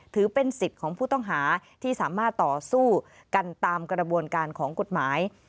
ถือเป็นสิทธิ์ของผู้ต้องหาที่สามารถต่อสู้กันตามกระบวนการของกฎหมาย